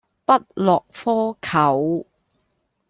不落窠臼